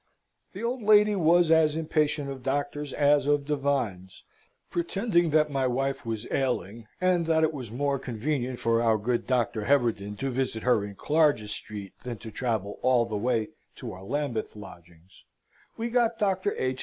The old lady was as impatient of doctors as of divines; pretending that my wife was ailing, and that it was more convenient for our good Doctor Heberden to visit her in Clarges Street than to travel all the way to our Lambeth lodgings, we got Dr. H.